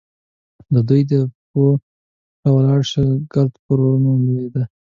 د دوی د پښو راولاړ شوی ګرد پر ونو لوېده.